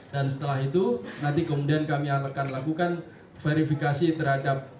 dan setelah itu nanti kemudian kami akan lakukan verifikasi terhadap